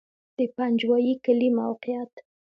د پنجوایي کلی موقعیت